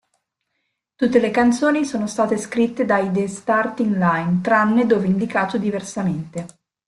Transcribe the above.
Tutte le canzoni sono state scritte dai The Starting Line, tranne dove indicato diversamente.